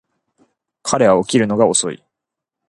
彼は起きるのが遅い